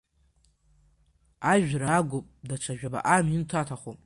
Ажәра агуп, даҽа жәабаҟа минуҭ аҭахуп.